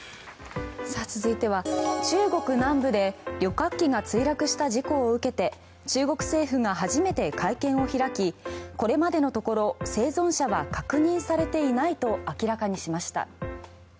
続いては、中国南部で旅客機が墜落した事故を受けて中国政府が初めて会見を開きこれまでのところ生存者は確認されていないと明らかにしました。